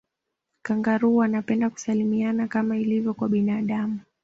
kangaroo wanapenda kusalimiana kama ilivyo kwa binadamu